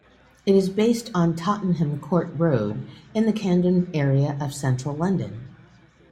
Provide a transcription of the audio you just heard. It is based on Tottenham Court Road in the Camden area of Central London.